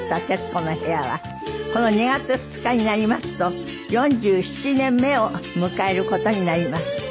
『徹子の部屋』はこの２月２日になりますと４７年目を迎える事になります。